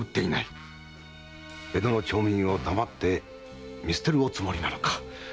江戸の町民を黙って見捨てるおつもりなのか？